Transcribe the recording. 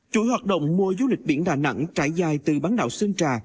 chuỗi hoạt động mùa du lịch biển đà nẵng trải dài từ bán đảo sơn trà